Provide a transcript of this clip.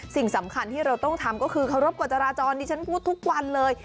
สิ่งสำคัญที่เราต้องทำก็คือเคารพกฎจราจรที่ฉันพูดทุกวันเลย